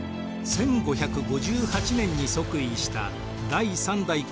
１５５８年に即位した第３代皇帝